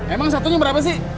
emang satunya berapa sih